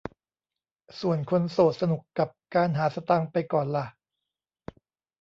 ส่วนคนโสดสนุกกับการหาสตางค์ไปก่อนล่ะ